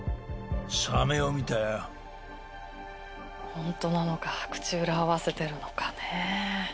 ホントなのか口裏合わせてるのかね。